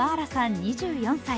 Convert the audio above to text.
２４歳。